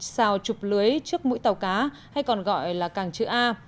xào chụp lưới trước mũi tàu cá hay còn gọi là càng chữ a